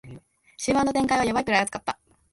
終盤の展開はヤバいくらい熱かった